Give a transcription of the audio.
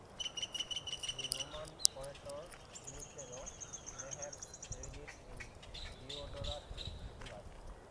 The Roman orator Cicero may have read it in Diodorus Siculus.